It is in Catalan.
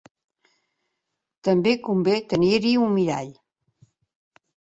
També convé tenir-hi un mirall.